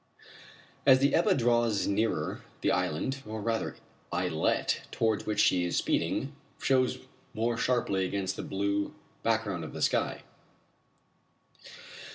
As the Ebba draws nearer, the island, or rather islet, towards which she is speeding shows more sharply against the blue background of the sky.